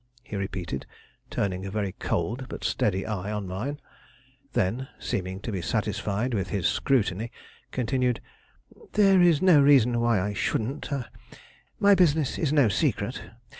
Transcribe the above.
he repeated, turning a very cold but steady eye on mine; then, seeming to be satisfied with his scrutiny, continued, "There is no reason why I shouldn't; my business is no secret.